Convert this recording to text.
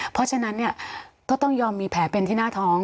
เพราะฉะนั้นเนี่ยก็ต้องยอมมีแผลเป็นที่หน้าท้อง